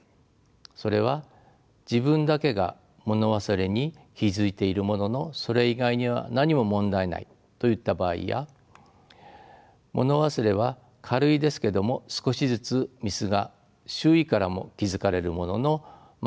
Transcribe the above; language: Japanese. それは自分だけが物忘れに気付いているもののそれ以外には何も問題ないといった場合や物忘れは軽いですけども少しずつミスが周囲からも気付かれるもののまあ